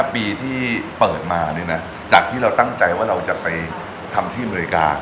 ปีที่เปิดมาจากที่เราตั้งใจว่าเราจะไปทำที่อเมริกา